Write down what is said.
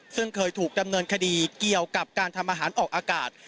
ซึ่งเคยถูกดำเนินคดีเกี่ยวกับการทำอาหารออกอากาศ